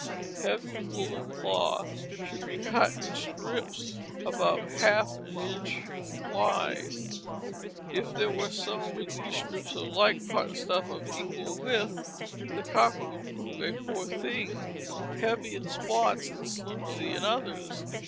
Heavy woollen cloth should be cut in strips about half an inch wide. If there were sewn with these strips of light cotton stuff of equal width, the carpet would prove a poor thing, heavy in spots and slimsy in others.